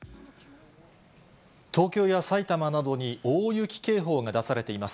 東京や埼玉などに大雪警報が出されています。